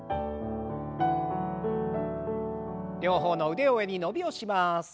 両方の腕を上に伸びをします。